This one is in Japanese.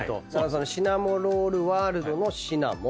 シナモロールワールドのシナモン。